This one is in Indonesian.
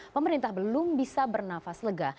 pemerintah belum bisa bernafas lega